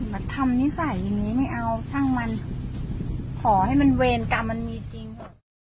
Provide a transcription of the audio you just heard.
ทำนิสัยอย่างนี้ไม่เอาช่างมันขอให้มันเวรกรรมมันมีจริง